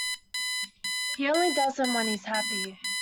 He only does them when he’s happy.